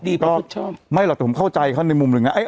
ประพฤติชอบไม่หรอกแต่ผมเข้าใจเขาในมุมหนึ่งนะ